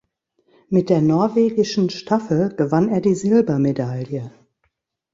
Mit der norwegischen Staffel gewann er die Silbermedaille.